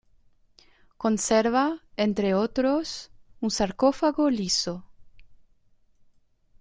Conserva, entre otros, un sarcófago liso.